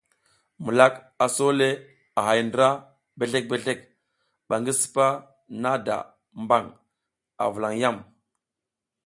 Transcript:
Milak a so le a hay ndra bezlek bezlek ba ngi sipa nada mba a vulan yam.